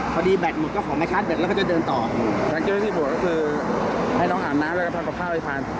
แบตหมดก็ขอไม่ชาร์จแบตแล้วก็จะเดินต่อทางเจ้าหน้าที่บวชก็คือให้น้องอาบน้ำแล้วก็ทำกับข้าวให้ทาน